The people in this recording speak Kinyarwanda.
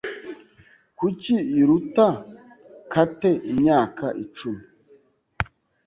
Kuki iruta Kate imyaka icumi.